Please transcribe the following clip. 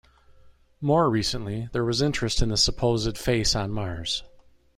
More recently, there was interest in the supposed Face on Mars.